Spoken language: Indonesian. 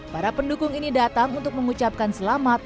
para pendukung ini datang untuk mengucapkan selamat